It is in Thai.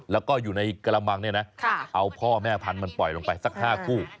แล้วก็อยู่ในกระมังเนี่ยนะเอาพ่อแม่พันธุ์มันปล่อยลงไปสัก๕คู่